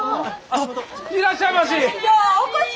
いらっしゃいまし！